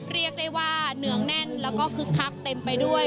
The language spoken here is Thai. เรียกได้ว่าเนืองแน่นแล้วก็คึกคักเต็มไปด้วย